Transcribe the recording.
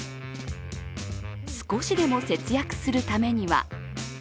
少しでも節約するためには？